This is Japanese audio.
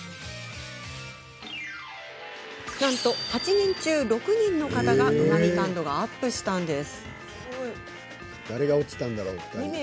なんと８人中６人の方がうまみ感度がアップしたんです。